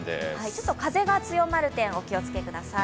ちょっと風が強まる点、お気をつけください。